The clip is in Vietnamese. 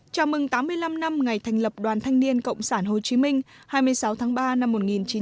chào mừng tám mươi năm năm ngày thành lập đoàn thanh niên cộng sản hồ chí minh hai mươi sáu tháng ba năm một nghìn chín trăm bảy mươi năm